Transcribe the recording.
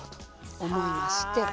思いまして。